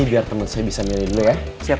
biar temen saya bisa milih dulu ya